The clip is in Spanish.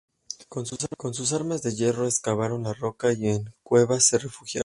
Con sus armas de hierro excavaron la roca y en cuevas se refugiaron.